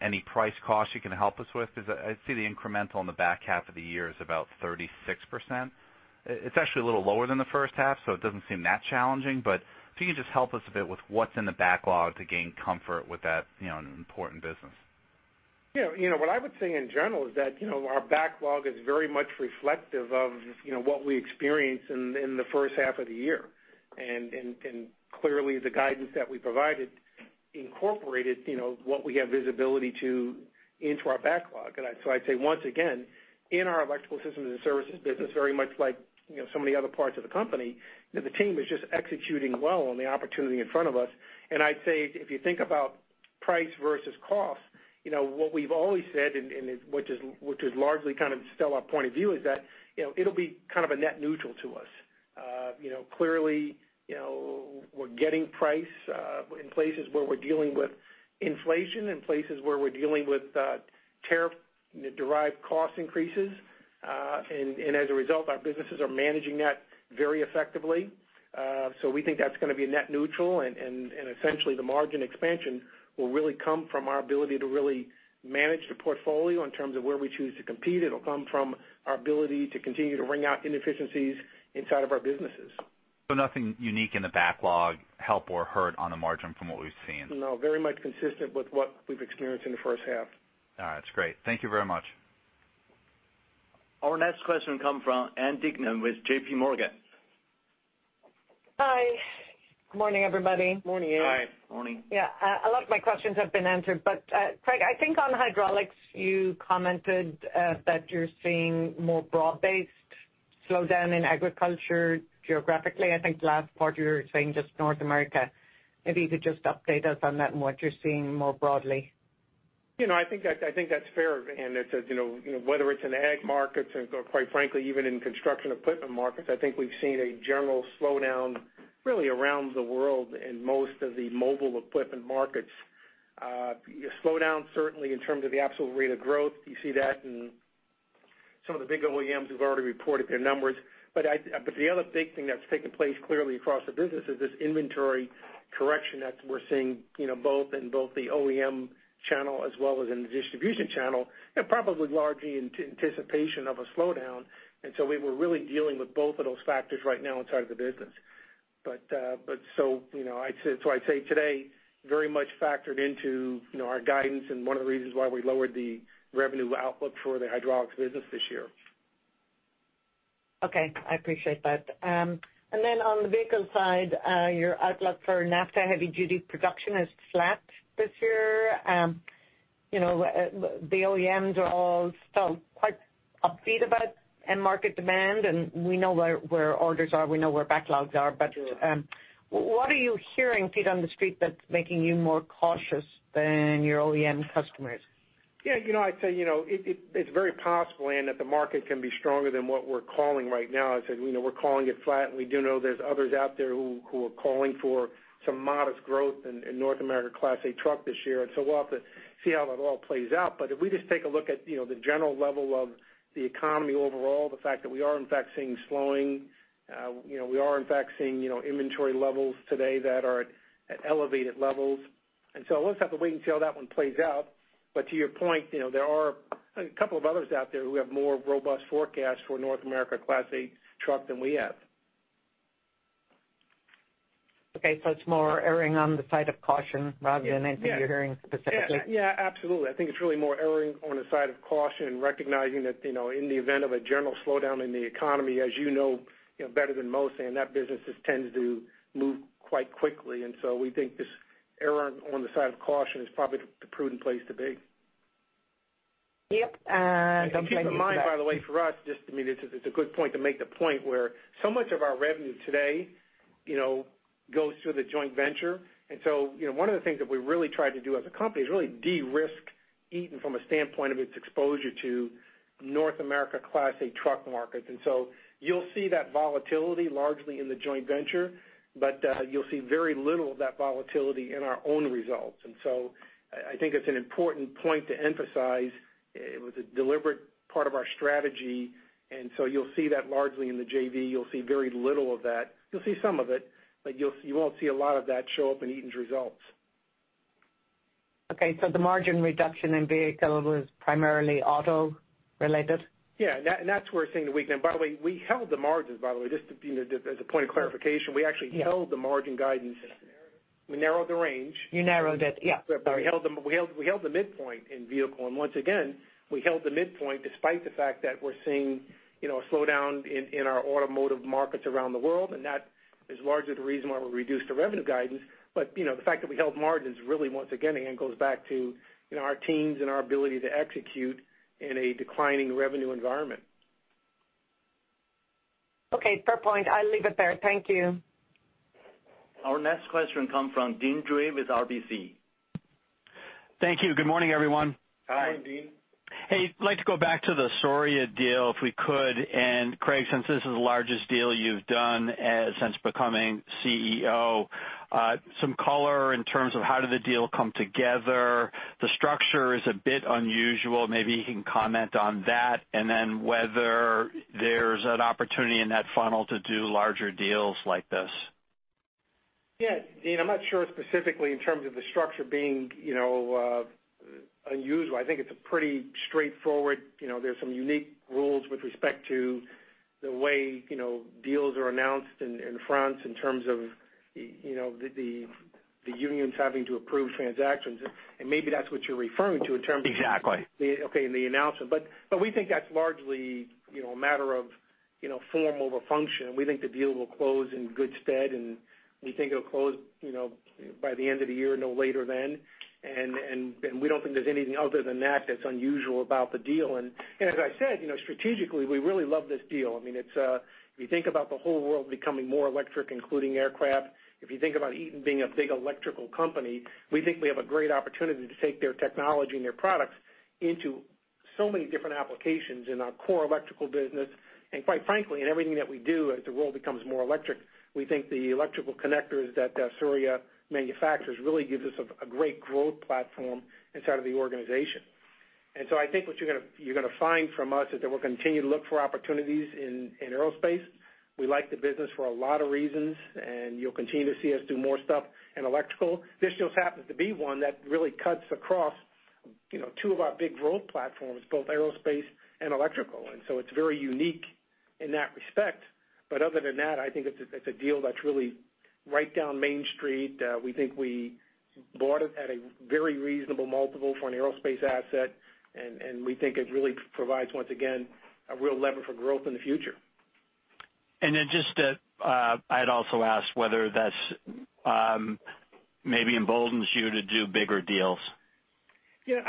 Any price cost you can help us with? I see the incremental in the back half of the year is about 36%. It's actually a little lower than the first half, it doesn't seem that challenging, if you can just help us a bit with what's in the backlog to gain comfort with that important business. What I would say in general is that our backlog is very much reflective of what we experience in the first half of the year. Clearly, the guidance that we provided incorporated what we have visibility to into our backlog. I'd say, once again, in our Electrical Systems & Services business, very much like so many other parts of the company, the team is just executing well on the opportunity in front of us. I'd say if you think about price versus cost, what we've always said, and which is largely kind of still our point of view, is that it'll be kind of a net neutral to us. Clearly, we're getting price in places where we're dealing with inflation and places where we're dealing with tariff-derived cost increases. As a result, our businesses are managing that very effectively. We think that's going to be net neutral, and essentially the margin expansion will really come from our ability to really manage the portfolio in terms of where we choose to compete. It'll come from our ability to continue to wring out inefficiencies inside of our businesses. Nothing unique in the backlog help or hurt on the margin from what we've seen. No, very much consistent with what we've experienced in the first half. All right, great. Thank you very much. Our next question comes from Ann Duignan with JPMorgan. Hi. Good morning, everybody. Morning, Ann. Hi. Morning. Yeah. A lot of my questions have been answered, but Craig, I think on Hydraulics, you commented that you're seeing more broad-based slowdown in agriculture geographically. I think the last part you were saying just North America. Maybe you could just update us on that and what you're seeing more broadly. I think that's fair, Ann. Whether it's in ag markets or quite frankly, even in construction equipment markets, I think we've seen a general slowdown really around the world in most of the mobile equipment markets. Slowdown certainly in terms of the absolute rate of growth. You see that in some of the big OEMs who've already reported their numbers. The other big thing that's taken place clearly across the business is this inventory correction that we're seeing in both the OEM channel as well as in the distribution channel, and probably largely in anticipation of a slowdown. We're really dealing with both of those factors right now inside of the business. I'd say today, very much factored into our guidance and one of the reasons why we lowered the revenue outlook for the Hydraulics business this year. Okay. I appreciate that. On the Vehicle side, your outlook for NAFTA heavy-duty production is flat this year. The OEMs are all still quite upbeat about end market demand, we know where orders are, we know where backlogs are. Sure. What are you hearing feet on the street that's making you more cautious than your OEM customers? Yeah, I'd say it's very possible, Ann, that the market can be stronger than what we're calling right now. As I said, we're calling it flat, we do know there's others out there who are calling for some modest growth in North America Class 8 truck this year. We'll have to see how that all plays out. If we just take a look at the general level of the economy overall, the fact that we are in fact seeing slowing, we are in fact seeing inventory levels today that are at elevated levels. We'll just have to wait and see how that one plays out. To your point, there are a couple of others out there who have more robust forecasts for North America Class 8 truck than we have. Okay. It's more erring on the side of caution rather than anything you're hearing specifically? Yeah, absolutely. I think it's really more erring on the side of caution and recognizing that, in the event of a general slowdown in the economy, as you know better than most, and that businesses tends to move quite quickly. We think this err on the side of caution is probably the prudent place to be. Yep. Keep in mind, by the way, for us, just to me, this is a good point to make the point where so much of our revenue today, goes through the joint venture. One of the things that we really try to do as a company is really de-risk Eaton from a standpoint of its exposure to North America Class 8 truck markets. You'll see that volatility largely in the joint venture, but you'll see very little of that volatility in our own results. I think it's an important point to emphasize. It was a deliberate part of our strategy, and so you'll see that largely in the JV. You'll see very little of that. You'll see some of it, but you won't see a lot of that show up in Eaton's results. Okay, the margin reduction in Vehicle was primarily auto related? Yeah. That's where we're seeing the weakness. By the way, we held the margins, by the way, just as a point of clarification. Yeah. We actually held the margin guidance. We narrowed the range. You narrowed it. Yeah, sorry. We held the midpoint in Vehicle, once again, we held the midpoint despite the fact that we're seeing a slowdown in our automotive markets around the world, that is largely the reason why we reduced the revenue guidance. The fact that we held margins really once again, goes back to our teams and our ability to execute in a declining revenue environment. Okay. Fair point. I'll leave it there. Thank you. Our next question come from Deane Dray with RBC. Thank you. Good morning, everyone. Hi. Hey, Deane. Hey, I'd like to go back to the Souriau deal, if we could. Craig, since this is the largest deal you've done since becoming CEO, some color in terms of how did the deal come together? The structure is a bit unusual. Maybe you can comment on that, and then whether there's an opportunity in that funnel to do larger deals like this. Yeah. Deane, I'm not sure specifically in terms of the structure being unusual. I think it's pretty straightforward. There's some unique rules with respect to the way deals are announced in France in terms of the unions having to approve transactions. Maybe that's what you're referring to in terms of— Exactly. —okay, in the announcement. We think that's largely a matter of form over function. We think the deal will close in good stead. We think it'll close by the end of the year, no later than. We don't think there's anything other than that that's unusual about the deal. As I said, strategically, we really love this deal. If you think about the whole world becoming more electric, including aircraft, if you think about Eaton being a big electrical company, we think we have a great opportunity to take their technology and their products into so many different applications in our core Electrical business. Quite frankly, in everything that we do as the world becomes more electric, we think the electrical connectors that Souriau manufacturers really gives us a great growth platform inside of the organization. I think what you're going to find from us is that we'll continue to look for opportunities in Aerospace. We like the business for a lot of reasons, and you'll continue to see us do more stuff in Electrical. This just happens to be one that really cuts across two of our big growth platforms, both Aerospace and Electrical. It's very unique in that respect. Other than that, I think it's a deal that's really right down Main Street. We think we bought it at a very reasonable multiple for an Aerospace asset, and we think it really provides, once again, a real lever for growth in the future. Just I'd also ask whether that maybe emboldens you to do bigger deals? Yeah.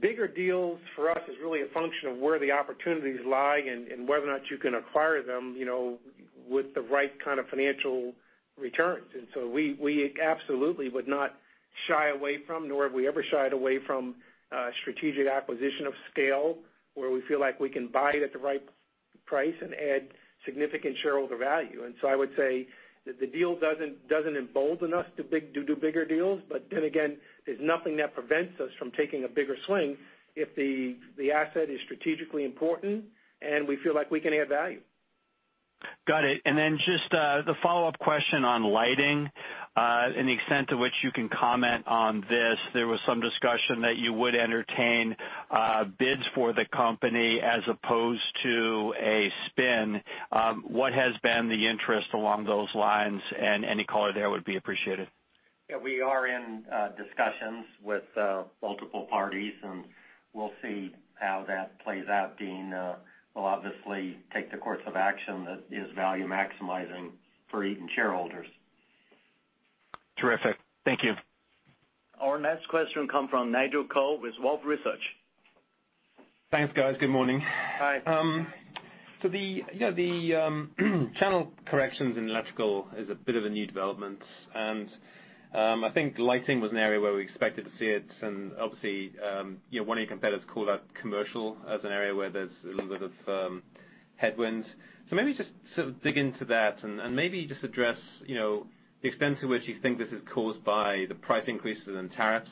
Bigger deals for us is really a function of where the opportunities lie and whether or not you can acquire them with the right kind of financial returns. We absolutely would not shy away from, nor have we ever shied away from strategic acquisition of scale where we feel like we can buy it at the right price and add significant shareholder value. I would say that the deal doesn't embolden us to do bigger deals, there's nothing that prevents us from taking a bigger swing if the asset is strategically important and we feel like we can add value. Got it. Just the follow-up question on Lighting, and the extent to which you can comment on this. There was some discussion that you would entertain bids for the company as opposed to a spin. What has been the interest along those lines? Any color there would be appreciated. Yeah. We are in discussions with multiple parties. We'll see how that plays out, Deane. We'll obviously take the course of action that is value maximizing for Eaton shareholders. Terrific. Thank you. Our next question come from Nigel Coe with Wolfe Research. Thanks, guys. Good morning. Hi. The channel corrections in Electrical is a bit of a new development, and I think Lighting was an area where we expected to see it, and obviously, one of your competitors called out commercial as an area where there's a little bit of headwinds. Maybe just sort of dig into that and maybe just address the extent to which you think this is caused by the price increases and tariffs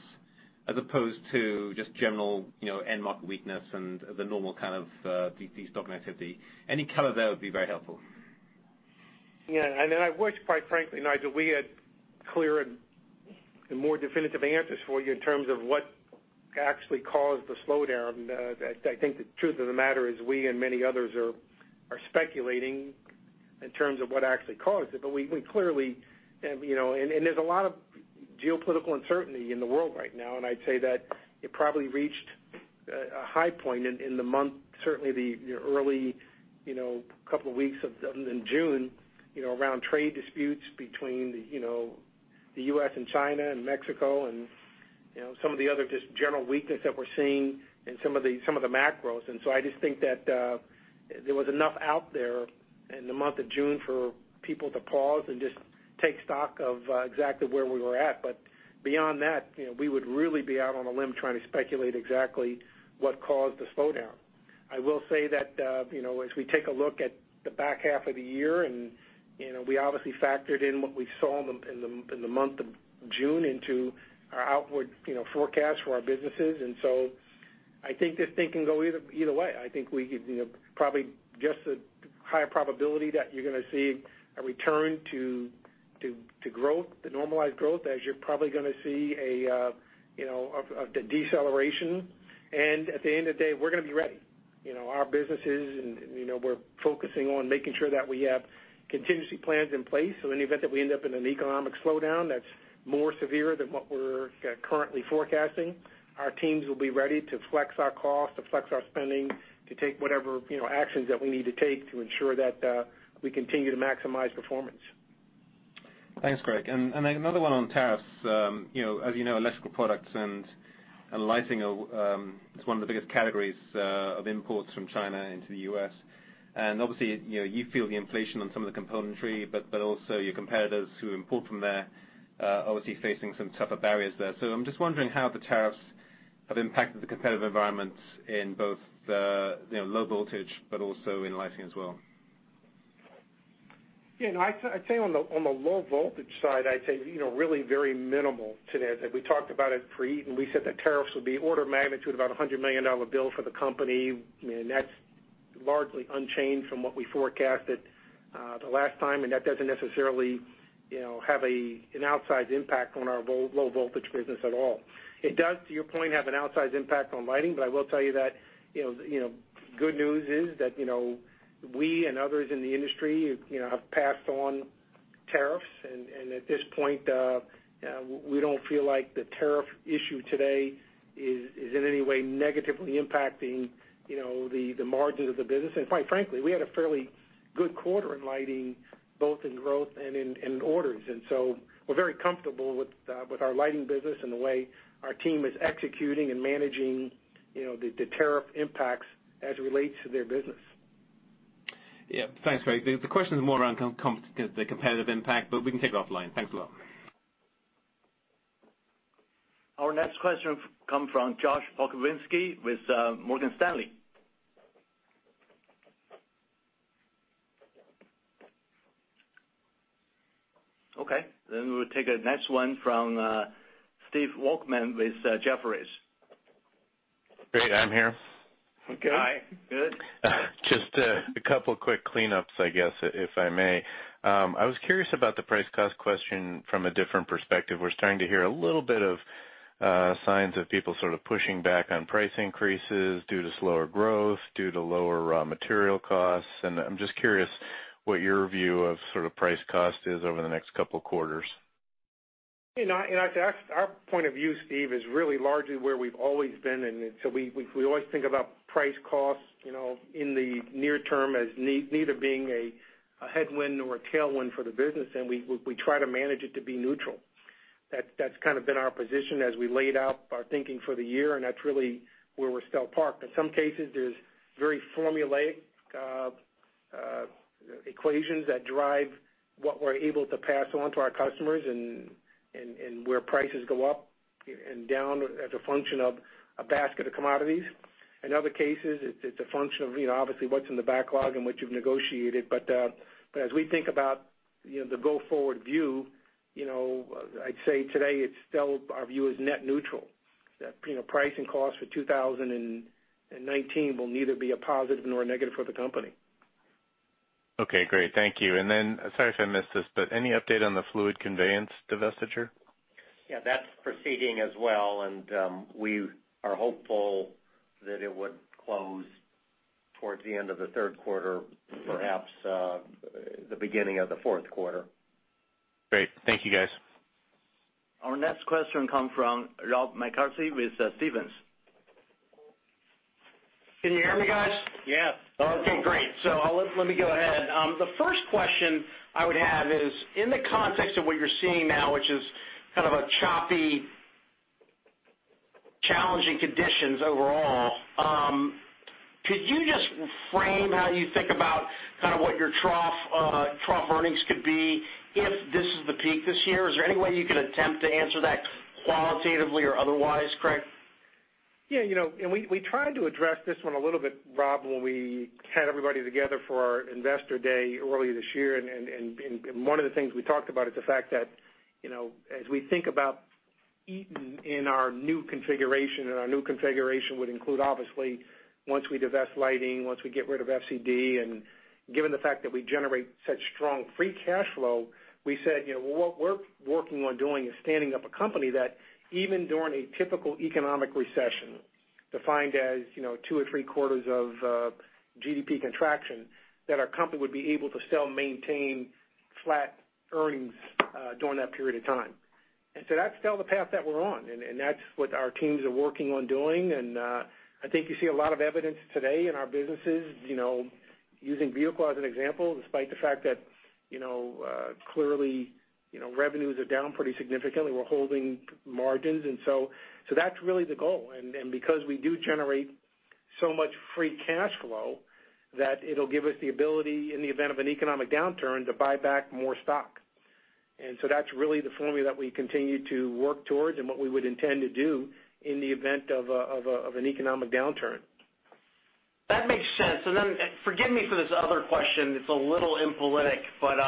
as opposed to just general end market weakness and the normal kind of de-stocking activity? Any color there would be very helpful. Yeah. I wish, quite frankly, Nigel, we had clearer and more definitive answers for you in terms of what actually caused the slowdown. I think the truth of the matter is we and many others are speculating in terms of what actually caused it. We clearly, and there's a lot of geopolitical uncertainty in the world right now, and I'd say that it probably reached a high point in the month, certainly the early couple of weeks in June, around trade disputes between the U.S. and China and Mexico and some of the other just general weakness that we're seeing in some of the macros. I just think that there was enough out there in the month of June for people to pause and just take stock of exactly where we were at. Beyond that, we would really be out on a limb trying to speculate exactly what caused the slowdown. I will say that as we take a look at the back half of the year, and we obviously factored in what we saw in the month of June into our outward forecast for our businesses. So I think this thing can go either way. I think we could probably guess a higher probability that you're going to see a return to growth, the normalized growth, as you're probably going to see of the deceleration. At the end of the day, we're going to be ready. Our businesses and we're focusing on making sure that we have contingency plans in place. In the event that we end up in an economic slowdown that's more severe than what we're currently forecasting, our teams will be ready to flex our cost, to flex our spending, to take whatever actions that we need to take to ensure that we continue to maximize performance. Thanks, Craig. Another one on tariffs. As you know, Electrical Products and Lighting is one of the biggest categories of imports from China into the U.S. Obviously, you feel the inflation on some of the componentry, but also your competitors who import from there are obviously facing some tougher barriers there. I'm just wondering how the tariffs have impacted the competitive environment in both the Low-voltage, but also in Lighting as well. I'd say on the Low-voltage side, I'd say really very minimal to that. We talked about it pre-Eaton. We said that tariffs would be order of magnitude, about $100 million bill for the company. That's largely unchanged from what we forecasted the last time, and that doesn't necessarily have an outsized impact on our Low-voltage business at all. It does, to your point, have an outsized impact on Lighting, but I will tell you that good news is that we and others in the industry have passed on tariffs. At this point, we don't feel like the tariff issue today is in any way negatively impacting the margins of the business. Quite frankly, we had a fairly good quarter in Lighting, both in growth and in orders. We're very comfortable with our Lighting business and the way our team is executing and managing the tariff impacts as it relates to their business. Yeah. Thanks, Craig. The question is more around the competitive impact, but we can take it offline. Thanks a lot. Our next question come from Josh Pokrzywinski with Morgan Stanley. Okay, we'll take the next one from Steve Volkmann with Jefferies. Great. I'm here. Okay, good. Just a couple quick cleanups, I guess, if I may. I was curious about the price cost question from a different perspective. We're starting to hear a little bit of signs of people sort of pushing back on price increases due to slower growth, due to lower raw material costs. I'm just curious what your view of sort of price cost is over the next couple of quarters. Our point of view, Steve, is really largely where we've always been. We always think about price cost in the near term as neither being a headwind nor a tailwind for the business, and we try to manage it to be neutral. That's kind of been our position as we laid out our thinking for the year, and that's really where we're still parked. In some cases, there's very formulaic equations that drive what we're able to pass on to our customers and where prices go up and down as a function of a basket of commodities. In other cases, it's a function of obviously what's in the backlog and what you've negotiated. As we think about the go-forward view, I'd say today it's still our view is net neutral. That pricing cost for 2019 will neither be a positive nor a negative for the company. Okay, great. Thank you. Sorry if I missed this, any update on the fluid conveyance divestiture? Yeah, that's proceeding as well, and we are hopeful that it would close towards the end of the third quarter, perhaps the beginning of the fourth quarter. Great. Thank you, guys. Our next question come from Rob McCarthy with Stephens. Can you hear me, guys? Yeah. Okay, great. Let me go ahead. The first question I would have is, in the context of what you're seeing now, which is kind of a choppy, challenging conditions overall, could you just frame how you think about kind of what your trough earnings could be if this is the peak this year? Is there any way you could attempt to answer that qualitatively or otherwise, Craig? We tried to address this one a little bit, Rob, when we had everybody together for our investor day earlier this year. One of the things we talked about is the fact that as we think about Eaton in our new configuration, and our new configuration would include, obviously once we divest Lighting, once we get rid of FCD, and given the fact that we generate such strong free cash flow, we said what we're working on doing is standing up a company that even during a typical economic recession defined as two or three quarters of GDP contraction, that our company would be able to still maintain flat earnings during that period of time. That's still the path that we're on, and that's what our teams are working on doing. I think you see a lot of evidence today in our businesses, using Vehicle as an example, despite the fact that clearly, revenues are down pretty significantly. We're holding margins, that's really the goal. Because we do generate so much free cash flow, that it'll give us the ability, in the event of an economic downturn, to buy back more stock. That's really the formula that we continue to work towards and what we would intend to do in the event of an economic downturn. That makes sense. Forgive me for this other question, it's a little impolitic, but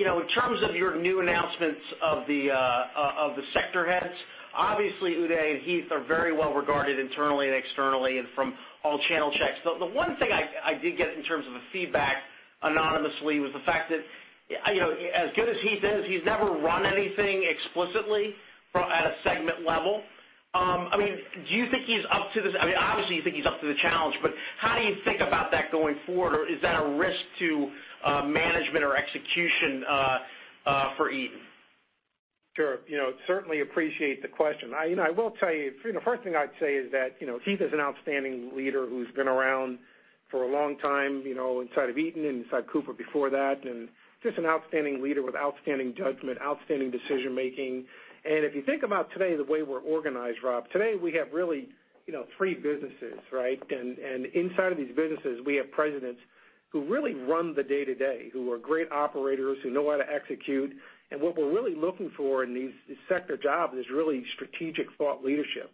in terms of your new announcements of the sector heads, obviously, Uday and Heath are very well-regarded internally and externally and from all channel checks. The one thing I did get in terms of the feedback anonymously was the fact that, as good as Heath is, he's never run anything explicitly at a segment level. Obviously, you think he's up to the challenge, how do you think about that going forward? Or is that a risk to management or execution for Eaton? Sure. Certainly appreciate the question. The first thing I'd say is that Heath is an outstanding leader who's been around for a long time inside of Eaton and inside Cooper before that, just an outstanding leader with outstanding judgment, outstanding decision-making. If you think about today, the way we're organized, Rob, today, we have really three businesses, right? Inside of these businesses, we have presidents who really run the day-to-day, who are great operators, who know how to execute. What we're really looking for in these sector jobs is really strategic thought leadership.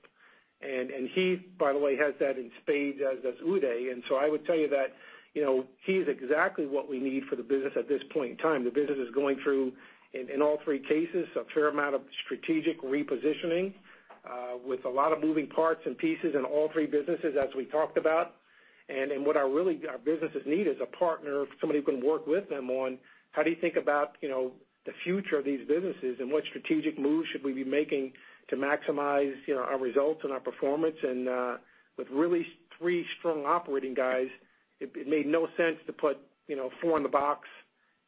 Heath, by the way, has that in spades, as does Uday. I would tell you that Heath is exactly what we need for the business at this point in time. The business is going through, in all three cases, a fair amount of strategic repositioning with a lot of moving parts and pieces in all three businesses, as we talked about. What our businesses need is a partner, somebody who can work with them on how do you think about the future of these businesses, and what strategic moves should we be making to maximize our results and our performance? With really three strong operating guys, it made no sense to put four in the box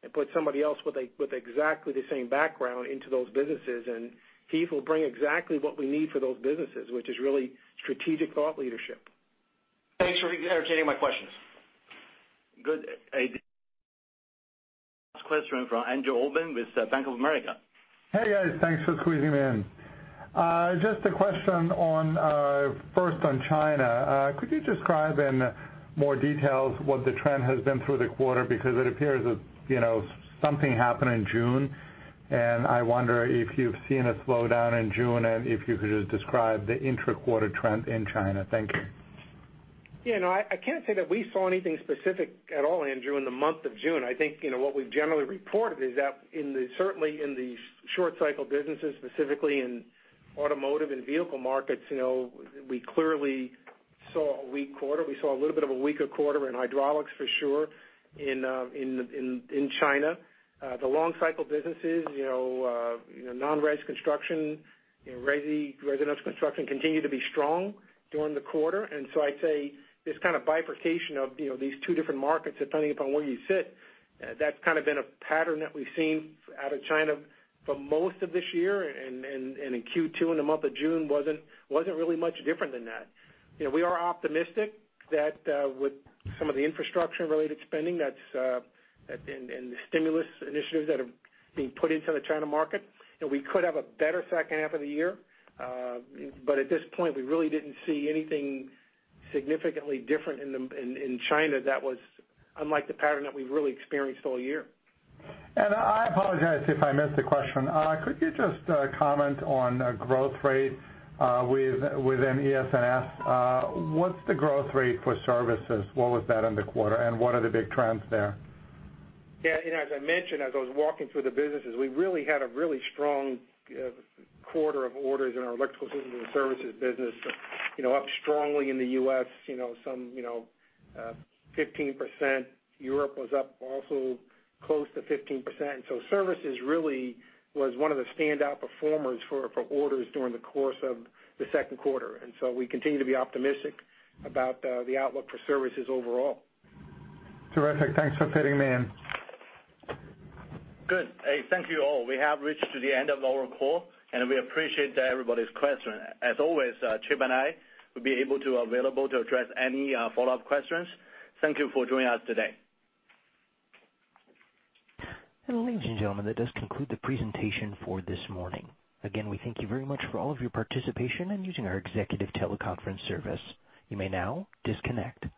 and put somebody else with exactly the same background into those businesses. Heath will bring exactly what we need for those businesses, which is really strategic thought leadership. Thanks for entertaining my questions. Good. Last question from Andrew Obin with Bank of America. Hey, guys. Thanks for squeezing me in. Just a question first on China. Could you describe in more details what the trend has been through the quarter? It appears that something happened in June, and I wonder if you've seen a slowdown in June, and if you could just describe the intra-quarter trend in China. Thank you. Yeah, no, I can't say that we saw anything specific at all, Andrew, in the month of June. I think what we've generally reported is that certainly in the short cycle businesses, specifically in automotive and vehicle markets, we clearly saw a weak quarter. We saw a little bit of a weaker quarter in Hydraulics, for sure, in China. The long cycle businesses, non-res construction, resi, residence construction, continue to be strong during the quarter. I'd say this kind of bifurcation of these two different markets, depending upon where you sit, that's kind of been a pattern that we've seen out of China for most of this year. In Q2, in the month of June, wasn't really much different than that. We are optimistic that with some of the infrastructure-related spending and the stimulus initiatives that are being put into the China market, we could have a better second half of the year. At this point, we really didn't see anything significantly different in China that was unlike the pattern that we've really experienced all year. I apologize if I missed the question. Could you just comment on growth rate within ES&S? What's the growth rate for services? What was that in the quarter, and what are the big trends there? Yeah. As I mentioned, as I was walking through the businesses, we really had a really strong quarter of orders in our Electrical Systems & Services business, up strongly in the U.S., some 15%. Europe was up also close to 15%. Services really was one of the standout performers for orders during the course of the second quarter. We continue to be optimistic about the outlook for services overall. Terrific. Thanks for fitting me in. Good. Thank you, all. We have reached to the end of our call. We appreciate everybody's question. As always, Chip and I will be able to available to address any follow-up questions. Thank you for joining us today. Ladies and gentlemen, that does conclude the presentation for this morning. Again, we thank you very much for all of your participation and using our executive teleconference service. You may now disconnect.